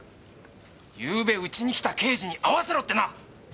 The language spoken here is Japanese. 昨晩家に来た刑事に会わせろってな！